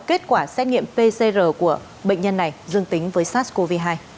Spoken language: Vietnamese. kết quả xét nghiệm pcr của bệnh nhân này dương tính với sars cov hai